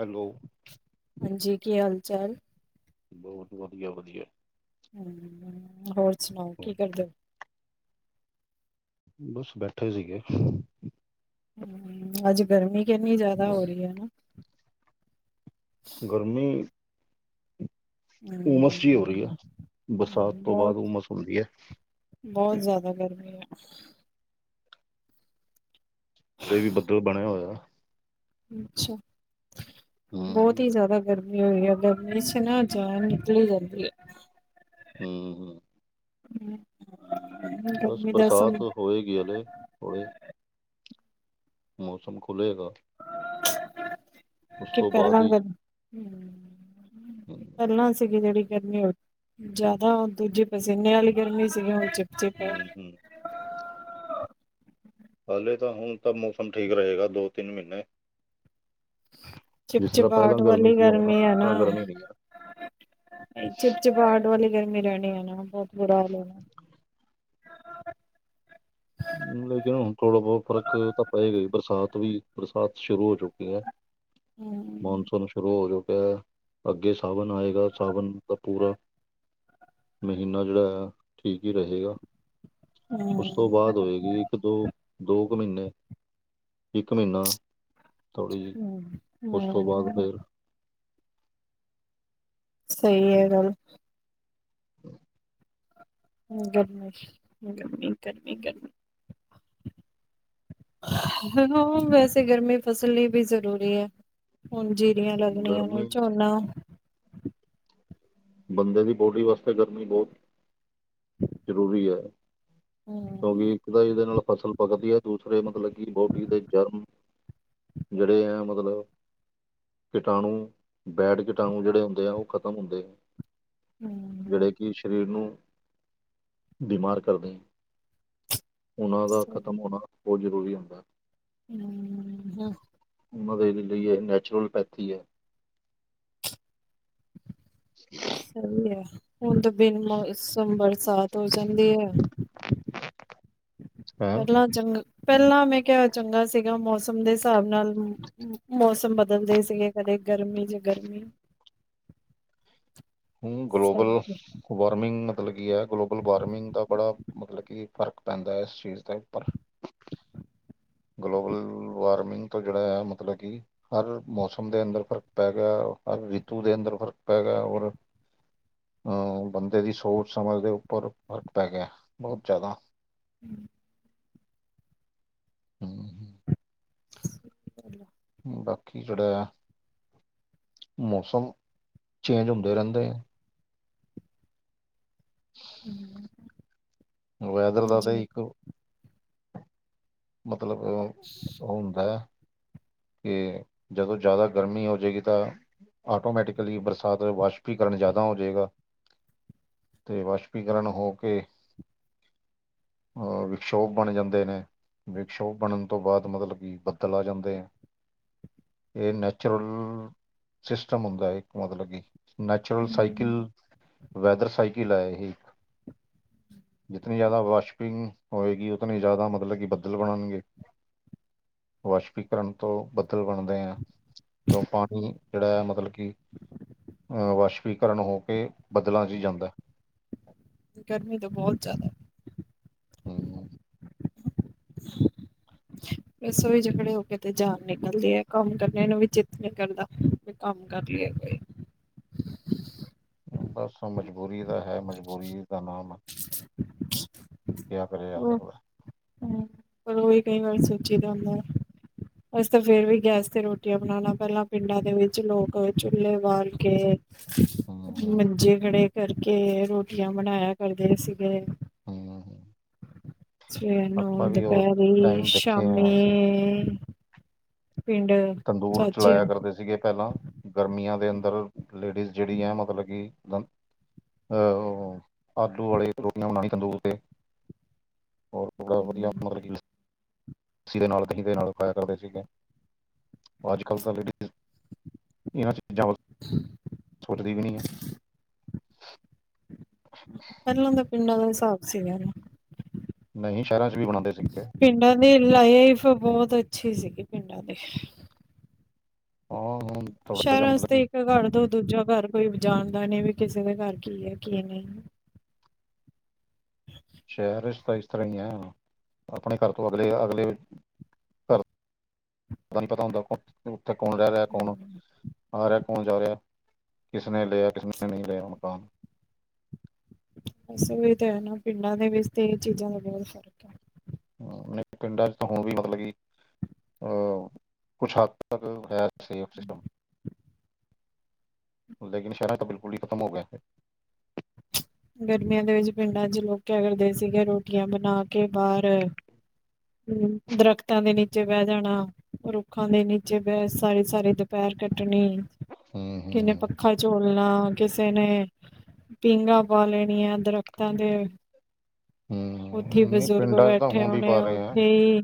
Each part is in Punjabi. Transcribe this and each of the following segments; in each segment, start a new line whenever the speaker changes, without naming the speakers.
ਹੈਲੋ
ਹਾਂਜੀ ਕੀ ਹਾਲ ਚਾਲ?
ਵਧੀਆ ਵਧੀਆ।
ਹੋਰ ਸੁਣਾਓ ਕੀ ਕਰਦੇ ਓ?
ਬਸ ਬੈਠੇ ਸੀਗੇ।
ਅੱਜ ਗਰਮੀ ਕਿੰਨੀ ਜ਼ਿਆਦਾ ਹੋ ਰਹੀ ਐ ਨਾ।
ਗਰਮੀ। ਉਮਸ ਜਿਹੀ ਹੋ ਰਹੀ ਆ
ਹੂੰ
ਬਰਸਾਤ ਤੋਂ ਬਾਅਦ
ਬਹੁਤ
ਉਮਸ ਹੁੰਦੀ ਆ।
ਬਹੁਤ ਜ਼ਿਆਦਾ ਗਰਮੀ ਐ।
ਹਲੇ ਵੀ ਬੱਦਲ ਬਣਿਆ ਹੋਇਆ।
ਅੱਛਾ, ਬਹੁਤ
ਹਮ
ਹੀ ਜ਼ਿਆਦਾ ਗਰਮੀ ਹੋਈ ਆ ਗਰਮੀ ਚ ਨਾ ਜਾਣ। ਚਲੀ ਜਾਂ
ਹਾਂ,
ਹੂੰ,
ਬਸ ਬਰਸਾਤ ਹੋਏਗੀ ਹਲੇ ਹੁਣੇ, ਮੌਸਮ ਖੁੱਲ੍ਹੇਗਾ।
ਕਿ ਕਰ
ਬਾਅਦ ਹੀ
ਲਾਂਗੇ,
[inaudible]
ਪਹਿਲਾਂ ਸੀਗੀ ਜਿਹੜੀ ਗਰਮੀ ਓ ਜ਼ਿਆਦਾ ਦੂਜੀ ਪਸੀਨੇ ਵਾਲੀ ਗਰਮੀ ਸੀਗੀ ਉਹ ਚ।
ਹੂੰ ਹੂੰ, ਹਲੇ ਤਾਂ ਹੁਣ ਤਾਂ ਮੌਸਮ ਠੀਕ ਰਹੇਗਾ ਦੋ ਤਿੰਨ ਮਹੀਨੇ। ਜਿਸ ਤਰ੍ਹਾਂ ਪਹਿਲਾਂ
ਚਿਪਚਿਪਾਹਟ
ਗਰਮੀ ਸੀ ਹੁਣ ਇਸ ਤਰ੍ਹਾਂ ਗਰਮੀ ਨੀ ਆ।
ਚਿਪ-ਚਿਪ ਆਹਟ ਵਾਲੀ ਗਰਮ ਰਾਣੀ ਆ ਨਾ। ਬਹੁਤ ਬੁਰਾ ਹਾਲ ਹੋਣਾ।
ਲੇਕਿਨ ਹੁਣ ਥੋੜ੍ਹਾ ਬਹੁਤ ਫ਼ਰਕ ਤਾਂ ਪਏਗਾ ਈ ਬਰਸਾਤ ਵੀ ਬਰਸਾਤ ਸ਼ੁਰੂ ਹੋ ਚੁੱਕੀ ਐ।
ਹੂੰ।
ਮੌਨਸੂਨ ਸ਼ੁਰੂ ਹੋ ਚੁੱਕਿਆ। ਅੱਗੇ ਸਾਵਣ ਆਏਗਾ। ਸਾਵਣ ਦਾ ਪੂਰਾ ਮਹੀਨਾ ਜਿਹੜਾ ਆ। ਠੀਕ ਹੀ ਰਹੇਗਾ ਉਸ ਤੋਂ ਬਾਅਦ ਹੋਏਗੀ ਇੱਕ-ਦੋ ਦੋ ਕੁ ਮਹੀਨੇ, ਇੱਕ ਮਹੀਨਾ ਥੋੜ੍ਹੀ ਜਿਹੀ
ਹੂੰ,
ਉਸ ਤੋਂ ਬਾਅਦ ਫਿਰ
ਸਈ ਐ ਗੱਲ। ਹੂੰ, ਗਰਮੀ-ਗਰਮੀ, ਗਰਮੀ-ਗਰਮੀ ਹਾਂ, ਵੈਸੇ ਗਰਮੀ ਫਸਲ ਲਈ ਵੀ ਜ਼ਰੂਰੀ ਐ। ਹੁਣ ਜੀਰੀਆਂ ਲੱਗਣੀਆਂ ਨੇ
ਗਰਮੀ
ਝੋਨਾ।
ਬੰਦੇ ਦੀ ਬੋਡੀ ਵਾਸਤੇ ਗਰਮੀ ਬਹੁਤ ਜ਼ਰੂਰੀ ਆ। ਕਿਉਂਕਿ
ਹੂੰ
ਇੱਕ ਤਾਂ ਇਹਦੇ ਨਾਲ ਫ਼ਸਲ ਪੱਕਦੀ ਐ। ਦੂਸਰੇ ਮਤਲਬ ਕਿ ਬਾਡੀ ਦੇ ਜਰਮ। ਜਿਹੜੇ ਆ ਮਤਲਬ। ਕੀਟਾਣੂ, ਬੈਡ ਕੀਟਾਣੂ ਜਿਹੜੇ ਹੁੰਦੇ ਆ ਉਹ ਖ਼ਤਮ ਹੁੰਦੇ ਆ।
ਹਮ।
ਜਿਹੜੇ ਕਿ ਸਰੀਰ ਨੂੰ ਬਿਮਾਰ ਕਰਦੇ। ਉਨ੍ਹਾਂ ਦਾ ਖ਼ਤਮ ਹੋਣਾ ਬਹੁਤ ਜ਼ਰੂਰੀ ਹੁੰਦਾ ਹੈ।
ਹਮ ਹਮ।
ਉਹਨਾਂ ਦੇ ਲਈ ਨੈਚੁਰਲਪੈਥੀ ਹੈ। [inaudible]
ਸਹੀ ਹੈ ਹੁਣ ਤਾਂ ਬਿਨ ਮੌਸਮ ਬਰਸਾਤ ਹੋ ਜਾਂਦੀ ਹੈ।
ਹਾਂ
ਪਹਿਲਾਂ ਚੰਗਾ ਪਹਿਲਾਂ ਮੈਂ ਕਿਹਾ ਚੰਗਾ ਸੀਗਾ ਮੌਸਮ ਦੇ ਹਿਸਾਬ ਨਾਲ। ਮੌਸਮ ਬਦਲਦੇ ਸੀਗੇ ਕਦੇ ਗਰਮੀ ਚ' ਗਰਮੀ।
ਹਮ, ਗਲੋਬਲ
ਸਭ
ਵਾਰਿੰਗ ਮਤਲਬ ਕੀ ਹੈ। ਗਲੋਬਲ ਵਾਰਮਿੰਗ ਦਾ ਬੜਾ ਮਤਲਬ ਕਿ ਫਰਕ ਪੈਂਦਾ ਹੈ। ਇਸ ਚੀਜ਼ ਦੇ ਉੱਪਰ ਗਲੋਬਲ ਵਾਰਮਿੰਗ ਤੋਂ ਜਿਹੜਾ ਆ ਮਤਲਬ ਕਿ ਹਰ ਮੌਸਮ ਦੇ ਅੰਦਰ ਫ਼ਰਕ ਪੈ ਗਿਆ। ਹਰ ਰਿਤੂ ਦੇ ਅੰਦਰ ਫ਼ਰਕ ਪੈ ਗਿਆ। ਔਰ ਬੰਦੇ ਦੀ ਸੋਚ -ਸਮਝ ਦੇ ਉੱਪਰ ਫ਼ਰਕ ਪੈ ਗਿਆ ਬਹੁਤ ਜ਼ਿਆਦਾ।
ਹਮ।
ਹਮ।
ਸਹੀ ਗੱਲ ਆ।
ਬਾਕੀ ਜਿਹੜਾ ਮੌਸਮ ਚੇਂਜ ਹੁੰਦੇ ਰਹਿੰਦੇ ਹੈ। [inaudible]
ਹਮ।
ਵਦਰ -ਵਦਰ ਇੱਕੋ। ਮਤਲਬ ਹੁੰਦਾ। ਕਿ ਜਦੋਂ ਜ਼ਿਆਦਾ ਗਰਮੀ ਹੋ ਜਾਏਗੀ। ਤਾਂ ਆਟੋਮੈਟਿਕਲੀ ਬਰਸਾਤ ਵਾਸ਼ਵੀਕਰਨ ਜ਼ਿਆਦਾ ਹੋ ਜਾਏਗਾ। ਅਤੇ ਵਾਸ਼ਪੀਕਰਨ ਹੋ ਕੇ ਅ ਵਿਸ਼ੋਭ ਬਣ ਜਾਂਦੇ ਨੇ। ਵਿਸ਼ੋਗ ਬਣਨ ਤੋਂ ਬਾਅਦ ਮਤਲਬ ਕਿ ਬੱਦਲ ਆ ਜਾਂਦੇ ਆ। ਇਹ ਨੈਚੁਰਲ ਸਿਸਿਸਟਮ ਹੁੰਦਾ। ਇੱਕ ਮਤਲਬ ਕਿ ਨੈਚੁਰਲ
ਹੂੰ,
ਸਾਈਕਲ, ਵੈਦਰ ਸਾਈਕਲ ਹੈ ਇਹ ਇੱਕ। ਜਿਤਨੀ ਜ਼ਿਆਦਾ ਵਾਸ਼ਪਿੰਗ ਹੋਏਗੀ। ਉਤਨੀ ਜ਼ਿਆਦਾ ਮਤਲਬ ਕਿ ਬੱਦਲ ਬਣਨਗੇ। ਵਸ਼ਪੀਕਰਨ। ਤੋਂ ਬੱਦਲ ਬਣਦੇ ਹੈ। ਕਿਉਂ ਪਾਣੀ ਜਿਹੜਾ ਹੈ ਮਤਲਬ ਕਿ ਅ ਵਾਸ਼ਪੀਕਰਨ ਹੋ ਕੇ ਬਦਲਾਂ ਚ' ਜਾਂਦਾ।
ਗਰਮੀ ਤਾਂ ਬਹੁਤ ਜ਼ਿਆਦਾ।
ਹਮ।
[inaudible] ਬਸੋਹੀ ਝਗੜੇ ਹੋ ਕੇ ਤੇ ਜਾਨ ਨਿਕਲਦੀ ਹੈ। ਕੰਮ ਕਰਨੇ ਨੂੰ ਵੀ ਚਿੱਤ ਨੀ ਕਰਦਾ ਵੀ ਕੰਮ ਕਰ ਲਏ ਕੋਈ।
ਬਸ ਮਜਬੂਰੀ ਦਾ ਹੈ ਮਜਬੂਰੀ ਦਾ ਨਾਮ ਕਿਹਾ ਕਰਿਆ ਜਾ ਸਕਦਾ ਹੈ।
ਹਮ ਪਰ ਉਹੀ ਕਈ ਗੱਲ ਸੋਚੀ ਦਾ ਹੁੰਦਾ ਹੈ। ਬਸ ਤਾਂ ਫੇਰ ਵੀ ਗੈਸ ਤੇ ਰੋਟੀਆਂ ਬਣਾਉਣਾ ਪਹਿਲਾਂ ਪਿੰਡਾਂ ਦੇ ਵਿੱਚ ਲੋਕ ਚੁੱਲੇ ਬਾਲ ਕੇ
ਹੂੰ ਹੂੰ
ਮੰਜੇ ਖੜੇ ਕਰਕੇ ਰੋਟੀਆਂ ਬਣਾਇਆ ਕਰਦੇ ਸੀਗੇ।
ਹਮ ਹਮ ਹਮ
ਸਵੇਰ ਨੂੰ ਦੁਪਹਿਰੀ
ਟਾਈਮ ਦੇਖੇ ਆ ਅਸੀਂ
ਸ਼ਾਮੀ ਪਿੰਡ
ਤੰਦੂਰ
ਚਾਚੇ
ਚਲਾਇਆ ਕਰਦੇ ਸੀਗੇ ਪਹਿਲਾਂ ਗਰਮੀਆਂ ਦੇ ਅੰਦਰ ਲੇਡੀਜ਼ ਜਿਹੜੀ ਹੈ ਮਤਲਬ ਕਿ ਅਹ ਆਲੂ ਵਾਲੇ ਰੋਟੀਆਂ ਬਣਾਣੀ ਤੰਦੂੂਰ ਤੇ ਹੋਰ ਥੋੜਾ ਵਧੀਆ ਮਤਲਬ ਜ ਲੱਸੀ ਦੇ ਨਾਲ ਦਹੀਂ ਦੇ ਨਾਲ ਖਾਇਆ ਕਰਦੇ ਸੀਗੇ ਅੱਜ ਕੱਲ੍ਹ ਤਾਂ ਲੇਡੀਜ਼ ਇਹਨਾਂ ਚੀਜ਼ਾਂ ਸੋਚਦੀ ਵੀ ਨਹੀਂ ਹੈ।
ਪਹਿਲਾਂ ਤਾਂ ਪਿੰਡਾਂ ਦਾ ਹਿਸਾਬ ਸੀਗਾ
ਨਹੀਂ ਸ਼ਹਿਰਾਂ ਚ ਵੀ ਬਣਾਉਂਦੇ ਸੀ
ਪਿੰਡਾਂ ਦੀ ਲਾਈਫ ਬਹੁਤ ਅੱਛੀ ਸੀਗੀ ਪਿੰਡਾਂ ਦੀ
ਹਾਂ। ਹਣ, [unintelligible]
ਸ਼ਹਿਰਾਂ ਵਾਸਤੇ ਇੱਕ ਘਰ ਤੋਂ ਦੂਜਾ ਘਰ ਕੋਈ ਜਾਣਦਾ ਨਹੀਂ ਵੀ ਕਿਸੇ ਦੇ ਘਰ ਕੀ ਹੈ ਕੀ ਨਹੀਂ।
ਸ਼ਹਿਰ ਤਾਂ ਇਸ ਤਰ੍ਹਾਂ ਹੀ ਹੈ ਆਪਣੇ ਘਰ ਤੋਂ ਅਗਲੇ ਅਗਲੇ ਘਰ ਤੁਹਾਨੂੰ ਪਤਾ ਹੁੰਦਾ ਉੱਥੇ ਕੌਣ ਰਹਿ ਰਿਹਾ ਕੌਣ ਆ ਰਿਹਾ ਕੌਣ ਜਾ ਰਿਹਾ ਕਿਸਨੇ ਲਿਆ ਕਿਸਨੇ ਨਹੀਂ ਲਿਆ ਮਕਾਨ
ਬਸ ਵੀ ਤਾਂ ਹੈ ਨਾ ਪਿੰਡਾਂ ਦੇ ਵਿੱਚ ਤੇ ਇਹ ਚੀਜ਼ਾਂ ਦਾ ਬਹੁਤ ਫਰਕ
ਪਿੰਡਾਂ ਚ ਤਾਂ ਹੁਣ ਵੀ ਮਤਲਬ ਕੀ ਅਹ ਕੁਛ ਹੱਦ ਤੱਕ ਹੈ ਸੇਫ ਸਿਸਟਮ ਲੇਕਿਨ ਸ਼ਹਿਰਾਂ ਤਾਂ ਬਿਲਕੁਲ ਹੀ ਖਤਮ ਹੋ ਗਿਆ ਹੈ
ਗਰਮੀਆਂ ਦੇ ਵਿੱਚ ਪਿੰਡਾਂ ਚ ਲੋਕ ਕਿਆ ਕਰਦੇ ਸੀਗੇ ਰੋਟੀਆਂ ਬਣਾ ਕੇ ਬਾਹਰ ਹਮ ਦਰਖਤਾਂ ਦੇ ਨੇ ਨਚੇ ਬਹਿ ਜਾਣਾ ਰੁੱਖਾਂ ਦੇ ਨੀਚੇ ਬਹਿ ਸਾਰੀ ਸਾਰੀ ਦੁਪਹਿਰ ਕੱਟਣੀ
ਹੂੰ
ਕਿਨੇ
ਹੂੰ
ਪੱਖਾ ਝੋਲਣਾ ਕਿਸੇ ਨੇ ਪੀਘਾ ਪਾ ਲੈਣੀ ਆ ਦਰਖਤਾਂ ਤੇ ਉੱਥੇ
ਹੂੰ ਨਹੀਂ
ਬਜ਼ੁਰਗ
ਪਿੰਡਾਂ 'ਚ ਤਾਂ
ਬੈਠੇ
ਹੁਣ ਵੀ
ਹੋਣੇ
ਪਾ ਰਹੇ ਆ
ਉੱਥੇ ਹੀ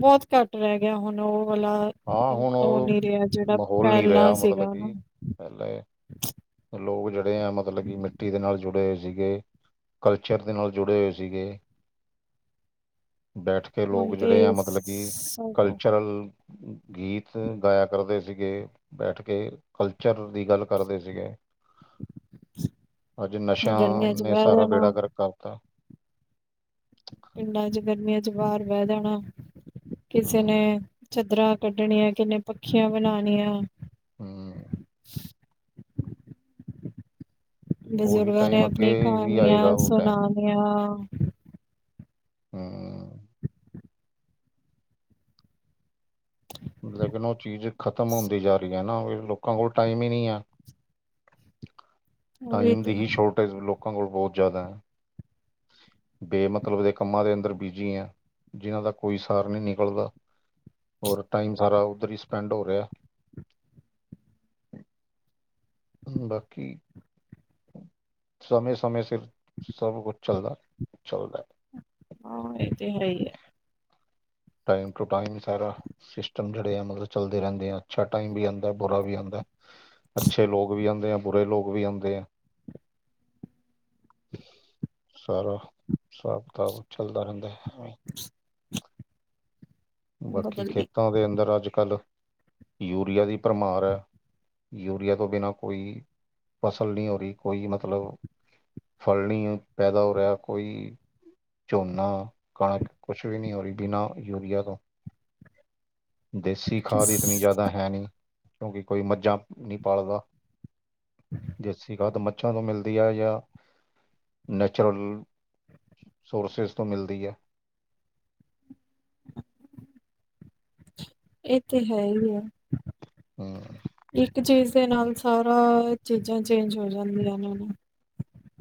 ਬਹੁਤ ਘੱਟ ਰਹਿ ਗਿਆ ਹੁਣ ਉਹ ਵਾਲਾ
ਹਾਂ ਹੁਣ ਉਹ
ਨੀ ਰਿਹਾ ਜਿਹੜਾ
ਮਾਹੌਲ ਨਹੀ
ਪਹਿਲਾਂ
ਰਿਹਾ ਮਤਲਬ
ਸੀਗਾ ਨਾ
ਪਹਿਲੇ ਲੋਕ ਜਿਹੜੇ ਆ ਮਤਲਬ ਕਿ ਮਿੱਟੀ ਦੇ ਨਾਲ ਜੁੜੇਏ ਸੀਗੇ ਕਲਚਰ ਦੇ ਨਾਲ ਜੁੜੇ ਹੋਏ ਸੀਗੇ ਬੈਠ ਕੇ ਕਿ ਲੋਕ
ਹੁਣ
ਜਿਹੜੇ
ਤੇ
ਆ ਮਤਲਬ ਕਿ
ਸਭ
ਕਲਚਰਲ ਗੀਤ ਗਾਇਆ ਕਰਦੇ ਸੀਗੇ ਬੈਠ ਕੇ ਕਲਚਰ ਦੀ ਗੱਲ ਕਰਦੇ ਸੀਗੇ
[unintelligible]
ਅੱਜ ਨਸ਼ਿਆਂ
ਗਰਮੀਆਂ 'ਚ
ਨੇ
ਬਹਿ
ਸਾਰਾ
ਜਾਣਾ
ਬੇੜਾ ਗਰਕ ਕਰਤਾ
ਪਿੰਡਾਂ ਚ ਗਰਮੀਆਂ ਚ ਵਾਹਰ ਵਹਿ ਜਾਣਾ ਕਿਸੇ
ਹੂੰ
ਨੇ ਚਾਦਰਾਂ ਕੱਢਣੀਆਂ ਕਿਨੇ ਪੱਖੀਆਂ ਬਣਾਉਣੀਆਂ
ਹਮ ਉਹੀ
ਬਜ਼ੁਰਗਾਂ ਨੇ
ਟਾਈਮ ਅੱਗੇ
ਆਪਣੀ
ਵੀ
ਕਹਾਣੀਆਂ
ਆਏਗਾ ਉਹ ਟਾਈਮ
ਸੁਣਾਣੀਆਂ
ਹਾਂ ਲੇਕਿਨ ਉਹ ਚੀਜ਼ ਖ਼ਤਮ ਹੁੰਦੀ ਜਾ ਰਹੀ ਨਾ ਲੋਕਾਂ ਕੋਲ ਟਾਈਮ ਹੀ ਨਹੀ ਹੈ
ਉਹ ਵੀ
ਟਾਈਮ ਦੀ
ਤੇ
ਹੀ ਛੋਟ ਜ਼ ਲੋਕਾਂ ਕੋਲ ਬਹੁਤ ਜ਼ਿਆਦਾ ਹੈ ਬੇਮਤਲਬ ਦੇ ਕੰਮਾਂ ਦੇ ਅੰਦਰ ਬੀਜੀ ਆ ਜਿਹਨਾਂ ਦਾ ਕੋਈ ਸਾਰ ਨਹੀਂ ਨਿਕਲਦਾ ਔਰ ਟਾਈਮ ਸਾਰਾ ਉੱਧਰ ਹੀ ਸਪੈਂਡ ਹੋ ਰਿਹਾ ਬਾਕੀ ਸਮੇ ਸਮੇਂ ਸ ਸਭ ਕੁਛ ਚੱਲਦਾ- ਚੱਲਦਾ
ਹਾਂ ਇਹ ਤੇ ਹੈ ਹੀ ਆ।
ਟਾਈਮ ਟੂ ਟਾਈਮ ਸਾਰਾ ਸਿਸਟਮ ਜਿਹੜੇ ਆ ਮਤਲਬ ਚੱਲਦੇ ਰਹਿੰਦੇ ਆ ਅੱਛਾ ਟਾਈਮ ਵੀ ਆਉਂਦਾ ਬੁਰਾ ਵੀ ਆਉਂਦਾ। ਅੱਛੇ ਲੋਕ ਵੀ ਆਉਂਦੇ ਆ ਬੁਰੇ ਲੋਕ ਵੀ ਆਉਂਦੇ ਆ। ਸਾਰਾ ਹਿਸਾਬ ਕਿਤਾਬ ਚੱਲਦਾ ਰਹਿੰਦਾ ਹੈਵੇ
ਹ [unintelligible]
ਬਾਕੀ
ਬਦਲਦੀ
ਖੇਤਾਂ ਦੇ ਅੰਦਰ ਅੱਜ ਕੱਲ੍ਹ ਯੂਰੀਆ ਦੀ ਭਰਮਾਰ ਹੈ ਯੂਰੀਆ ਤੋਂ ਬਿਨਾਂ ਕੋਈ ਫਸਲ ਨਹੀ ਹੋ ਰਹੀ ਕੋਈ ਮਤਲਬ ਫਲ ਨਹੀ ਪੈਦਾ ਹੋ ਰਿਹਾ ਕੋਈ। ਝੋਨਾ ਕਣਕ ਕੁਛ ਵੀ ਨਹੀਂ ਹੋ ਰਹੀ ਬਿਨਾਂ ਯੂਰੀਆ ਤੋਂ। ਦੇਸੀ ਖਾਦ ਇਤਨੀ ਜ਼ਿਆਦਾ ਹੈ ਨਹੀ ਕਿਉਂਕਿ ਕੋਈ ਮੱਝਾਂ ਨਹੀਂ ਪਾਲਦਾ। ਦੇਸੀ ਖਾਦ ਮਜਾ ਤੋਂ ਮਿਲਦੀ ਹੈ ਜਾਂ ਨੈਚੁਰਲ ਸੋਰਸਿਸ ਤੋਂ ਮਿਲਦੀ ਹੈ।
ਇਹ ਤੇ ਹੈ ਹੀ ਹੈ।
ਹਮ,
ਇੱਕ ਚੀਜ਼ ਦੇ ਨਾਲ ਸਾਰਾ ਚੀਜ਼ਾਂ ਚੇਂਜ ਹੋ ਜਾਂਦੀਆਂ ਇਹ ਨੇ।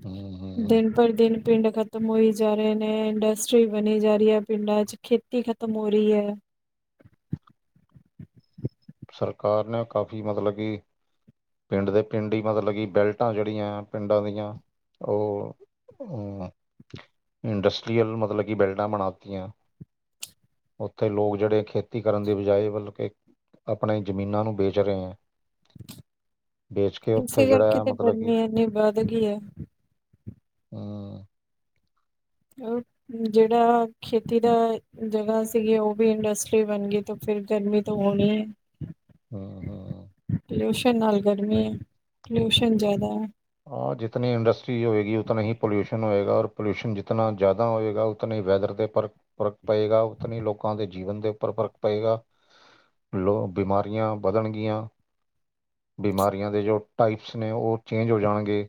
ਹਮ ਹਮ
ਦਿਨ ਪਰ ਦਿਨ ਪਿੰਡ ਖਤਮ ਹੋਈ ਜਾ ਰਹੇ ਨੇ। ਇੰਡਸਟਰੀ ਬਣੀ ਜਾ ਰਹੀ ਹੈ ਪਿੰਡਾਂ ਚ। ਖੇਤੀ ਖਤਮ ਹੋ ਰਹੀ ਹੈ।
ਸਰਕਾਰ ਨੇ ਕਾਫ਼ੀ ਮਤਲਬ ਕਿ। ਪਿੰਡ ਦੇ ਪਿੰਡ ਹੀ ਮਤਲਬ ਕਿ ਬੈਲਟਾਂ ਜਿਹੜੀਆਂ ਪਿੰਡਾਂ ਦੀਆਂ ਉਹ। ਅ ਇੰਡਸਟਰੀਅਲ ਮਤਲਬ ਕਿ ਬਿਲਡਾਂ ਬਣਾਤੀਆਂ। ਉੱਥੇ ਲੋਕ ਜਿਹੜੇ ਖੇਤੀ ਕਰਨ ਦੀ ਬਜਾਏ ਮਤਲਬ ਕਿ ਆਪਣੇ ਜ਼ਮੀਨਾਂ ਨੂੰ ਵੇਚ ਰਹੇ ਹੈ। ਵੇਚ ਕੇ ਉੱਥੇ
ਇਸੇ
ਜਿਹੜਾ
ਕਰਕੇ
ਆ
ਤੇ
ਮਤਲਬ ਕਿ
ਗਰਮੀ ਇੰਨੀ ਵੱਧ ਗਈ ਹੈ।
ਹਮ
ਉਹ ਜਿਹੜਾ। ਖੇਤੀ ਦਾ ਜਗ੍ਹਾ ਸੀਗੀ ਉਹ ਵੀ ਇੰਡਸਟਰੀ ਬਣ ਗਈ ਤੇ ਫਿਰ ਗਰਮੀ ਤੋਂ ਹੋਣੀ ਹੈ।
ਹਮ-ਹਮ
ਪੋਲਿਊਸ਼ਨ ਨਾਲ ਗਰਮੀ ਹੈ ਪਲਿਊਸ਼ਨ ਜ਼ਿਆਦਾ ਹੈ।
ਹ ਜਿਤਨੀ ਇੰਡਸਟਰੀ ਹੋਏਗੀ ਉਤਨਾ ਹੀ ਪੋਲਿਊਸ਼ਨ ਹੋਏਗਾ ਪੋਲਿਊਸ਼ਨ ਜਿਤਨਾ ਜ਼ਿਆਦਾ ਹੋਏਗਾ। ਉਤਨੀ ਵੈਦਰ ਦੇ ਪਰ ਫ਼ਰਕ ਪਏਗਾ ਉਤਨੀ ਲੋਕਾਂ ਦੇ ਜੀਵਨ ਦੇ ਉੱਪਰ ਫ਼ਰਕ ਪਏਗਾ। ਲੋ ਬਿਮਾਰੀਆਂ ਵਧਣਗੀਆਂ। ਬਿਮਾਰੀਆਂ ਦੇ ਜੋ ਟਾਈਪਸ ਨੇ ਉਹ ਚੇਂਜ ਹੋ ਜਾਣਗੇ।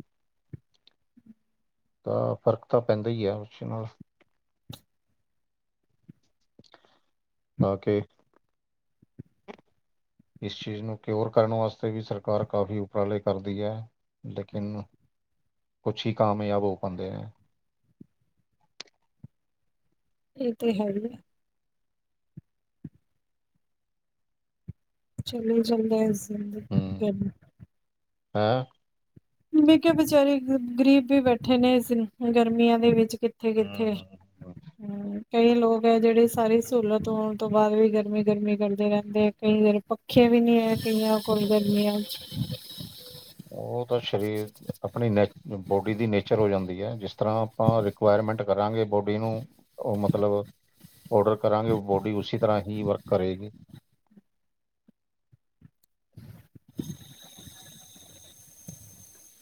ਤਾਂ ਫ਼ਰਕ ਤਾਂ ਪੈਂਦਾ ਹੀ ਹੈ ਉਸ ਨਾਲ ਆ ਕੇ। ਇਸ ਚੀਜ਼ ਨੂੰ ਕਿਓਰ ਕਰਨ ਵਾਸਤੇ ਵੀ ਸਰਕਾਰ ਕਾਫ਼ੀ ਉਪਰਾਲੇ ਕਰਦੀ ਹੈ। ਲੇਕਿਨ ਕੁਛ ਹੀ ਕਾਮਯਾਬ ਹੋ ਪਾਉਂਦੇ ਆ।
ਇਹ ਤੇ ਹੈ ਹੀ ਆ। ਚੱਲੋ ਚਲਦੇ ਜਲ [inaudible]
ਹਮ ਹੈਂ
ਵੀ ਕਿਹਾ ਬੇਚਾਰੇ ਗਰੀਬ ਵੀ ਬੈਠੇ ਨੇ ਇਸ ਗਰਮੀਆਂ ਦੇ ਵਿੱਚ। ਕਿੱਥੇ
ਹੂੰ
ਕਿੱਥੇ
ਹੂੰ ਹੂੰ।
ਹਮ। ਕਈ ਲੋਕ ਹੈ ਜਿਹੜੇ ਸਾਰੀ ਸਹੂਲਤ ਹੋਣ ਤੋਂ ਬਾਅਦ ਵੀ ਗਰਮੀ ਗਰਮੀ ਕਰਦੇ ਰਹਿੰਦੇ ਹੈ ਕਈ ਵਾਰ। ਪੱਖੇ ਵੀ ਨੀ ਹੈ ਕਈਆਂ ਕੋਲ ਗਰਮੀਆਂ ਚ।
ਉਹ ਤਾਂ ਸਰੀਰ ਆਪਣੀ ਨੇਚ ਬੋਡੀ ਦੀ ਨੇਚਰ ਹੋ ਜਾਂਦੀ ਹੈ, ਜਿਸ। ਤਰ੍ਹਾਂ ਆਪਾਂ ਰਿਕੁਆਇਰਮੈਂਟ ਕਰਾਂਗੇ। ਬੋਡੀ ਨੂੰ ਉਹ ਮਤਲਬ ਔਡਰ ਕਰਾਂਗੇ ਉਹ ਬੋਡੀ ਉਸੇ ਤਰ੍ਹਾਂ ਹੀ ਵਰਕ ਕਰੇਗੀ।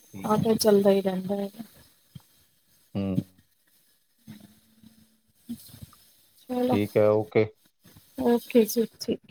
ਠੀਕ ਹੈ
ਆਟੋ
ਨਾ
ਚੱਲਦਾ ਹੀ ਰਹਿੰਦਾ ਹੈਗਾ।
ਹਮ।
ਛੇੜ ਲਓ।
ਠੀਕ ਹੈ ਓਕੇ
ਓਕੇ ਜੀ ਠੀਕ। ਹੈ